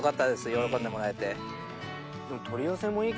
喜んでもらえて。